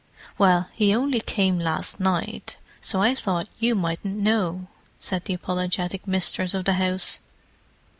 "Well, he only came last night, so I thought you mightn't know," said the apologetic mistress of the house.